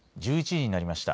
１１時になりました。